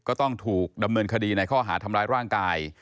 ก็ต้องถูกดำเนินคดีในข้อหาทำร้ายร่างกาย